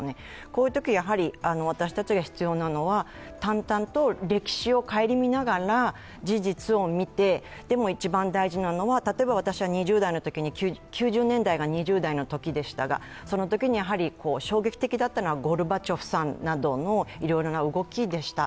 こういうときやはり私たちが必要なのは、淡々と歴史を顧みながら事実を見て、でも一番大事なのは、例えば私は９０年代が２０代のときでしたが、そのときに衝撃的だったのがゴルバチョフさんなどのいろいろな動きでした。